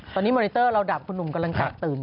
ตอนนี้มอนิเตอร์เราดับคุณหนุ่มกำลังแตกตื่น